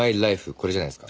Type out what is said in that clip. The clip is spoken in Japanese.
これじゃないですか？